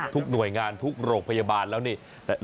ทุกหน่วยงานทุกโรงพยาบาลแล้วนี่